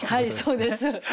そうです。